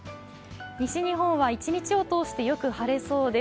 西日本は一日を通してよく晴れそうです。